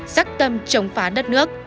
sắc tâm chống phá đất nước